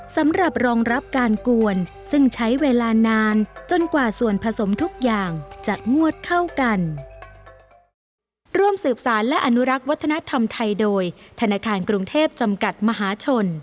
สำหรับรองรับการกวนซึ่งใช้เวลานานจนกว่าส่วนผสมทุกอย่างจะงวดเข้ากัน